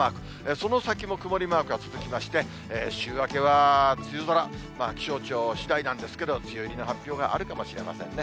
その先も曇りマークが続きまして、週明けは梅雨空、気象庁しだいなんですけれども、梅雨入りの発表があるかもしれませんね。